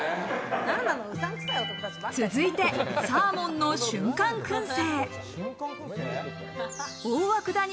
続いてサーモンの瞬間燻製。